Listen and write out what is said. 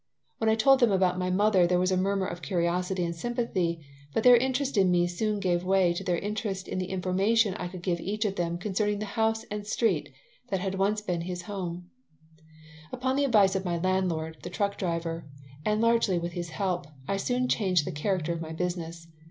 When I told them about my mother there was a murmur of curiosity and sympathy, but their interest in me soon gave way to their interest in the information I could give each of them concerning the house and street that had once been his home Upon the advice of my landlord, the truck driver, and largely with his help, I soon changed the character of my business.